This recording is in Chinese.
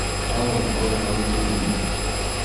当我悄悄贴近你